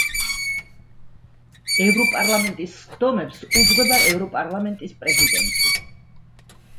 ევროპარლამენტის სხდომებს უძღვება ევროპარლამენტის პრეზიდენტი.